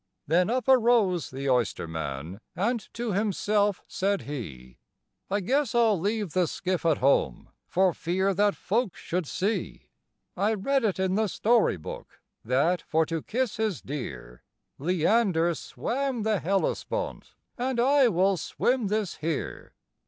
Then up arose the oysterman, and to himself said he, "I guess I 'll leave the skiff at home, for fear that folks should see I read it in the story book, that, for to kiss his dear, Leander swam the Hellespont, and I will swim this here."